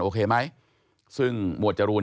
โอเคไหมซึ่งหมวดจรูน